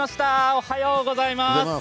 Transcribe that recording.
おはようございます。